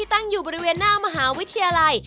ตั้งอยู่บริเวณหน้ามหาวิทยาลัย